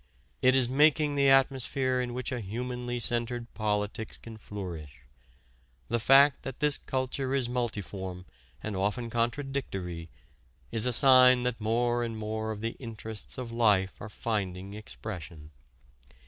It is making the atmosphere in which a humanly centered politics can flourish. The fact that this culture is multiform and often contradictory is a sign that more and more of the interests of life are finding expression.